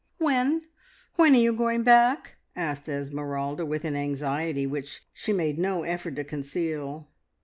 "When when are you going back?" asked Esmeralda, with an anxiety which she made no effort to conceal.